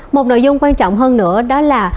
một nội dung quan trọng hơn nữa đó là